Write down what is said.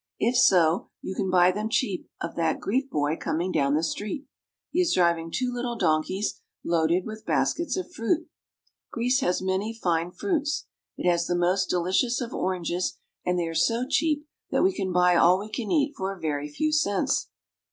If so, you can buy them cheap of that Greek boy coming down the street; he is driving two little donkeys loaded with baskets of fruit. Greece has many fine fruits. It "He is dressed in has the most delicious of oranges, and short skirts " they are so cheap that we can buy all we can eat for a very few cents.